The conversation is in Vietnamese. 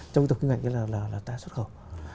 trong tổng kinh ngạch là ta xuất khẩu